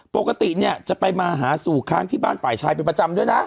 ปกติเนี่ยจะไปมาหาสู่ค้างที่บ้านฝ่ายชายเป็นประจำด้วยนะ